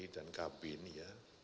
dan kabin ya